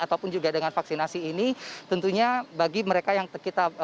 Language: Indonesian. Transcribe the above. sehingga dengan vaksinasi ini tentunya bagi mereka yang kita